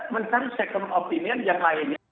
mencari second opinion yang lainnya